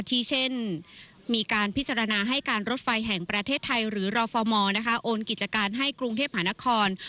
ที่เช่นมีการพิจารณาให้การรถไฟแห่งประเทศไทยหรือรฟมโอนกิจการให้กรุงเทพหานคร